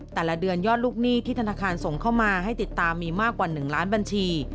แต่ละเดือนยอดลูกหนี้ที่ธนาคารส่งเข้ามาให้ติดตามมีมากกว่า๑ล้านบัญชี